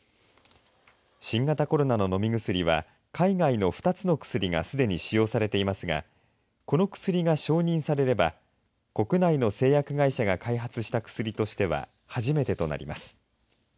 新型コロナの飲み薬は海外の２つの薬がすでに使用されていますがこの薬が承認されれば国内の製薬会社が開発した薬としては初めてとなります。